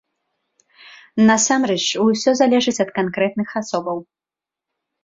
Насамрэч, усё залежыць ад канкрэтных асобаў.